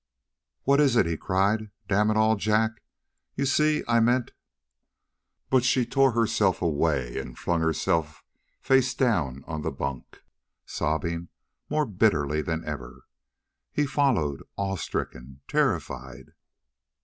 "What is it?" he cried. "Damn it all Jack you see I meant " But she tore herself away and flung herself face down on the bunk, sobbing more bitterly than ever. He followed, awe stricken terrified.